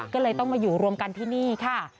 ก็เลยต้องมาอยู่รวมกันที่นี่ค่ะ